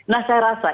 nah saya rasa